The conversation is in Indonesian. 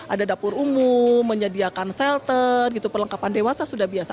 ada dapur umum menyediakan shelter perlengkapan dewasa sudah biasa